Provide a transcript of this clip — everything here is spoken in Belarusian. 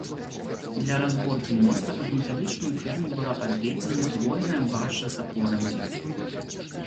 Для разборкі моста пад металічную ферму была падведзена здвоеная баржа з апорамі.